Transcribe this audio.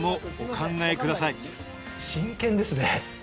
真剣ですね。